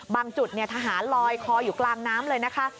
บางจุดทหารลอยคออยู่กลางน้ำเลยนะคะ